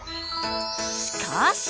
しかし！